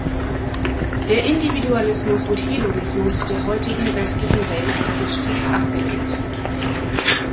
Der Individualismus und Hedonismus der heutigen westlichen Welt wurde strikt abgelehnt.